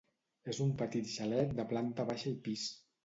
És un petit xalet de planta baixa i pis.